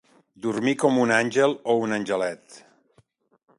Dormir com un àngel o un angelet.